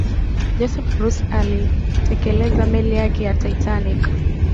joseph bruce aliitelekeza meli yake ya titanic